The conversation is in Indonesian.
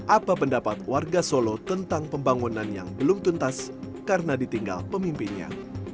apa pendapat warga solo tentang pembangunan yang belum tuntas karena ditinggal pemimpinnya